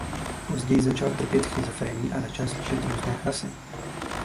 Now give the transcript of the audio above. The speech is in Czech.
Později začal trpět schizofrenií a začal slyšet různé hlasy.